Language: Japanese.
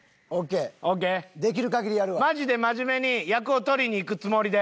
マジで真面目に役を取りにいくつもりで。